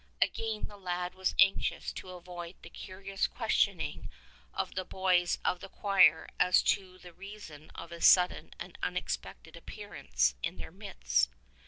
Again, the lad was anxious to avoid the curious questioning of the boys of the choir as to the reason of his sudden and unex pected appearance in their midst.